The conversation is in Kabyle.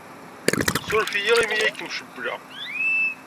Ssuref-iyi imi ay kem-cewwleɣ.